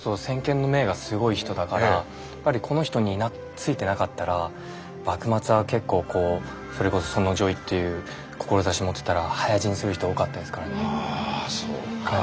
やっぱりこの人についてなかったら幕末は結構こうそれこそ尊王攘夷っていう志持ってたら早死にする人多かったですからね。